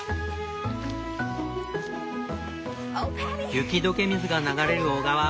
雪解け水が流れる小川。